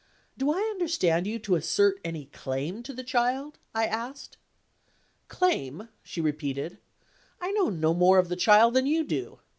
"Do I understand you to assert any claim to the child?" I asked. "Claim?" she repeated. "I know no more of the child than you do.